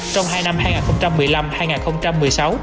trong hai năm hai nghìn một mươi năm hai nghìn một mươi sáu